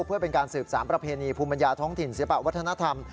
เพื่อเป็นการสืบสารประเพณีภูมิปัญญาท้องถิ่นศิลปะวัฒนธรรม